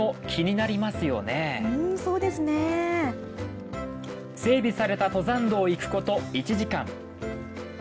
うんそうですね整備された登山道を行くこと１時間。